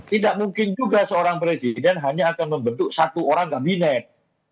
tidak mungkin juga seorang presiden hanya akan membentuk satu orang kabinet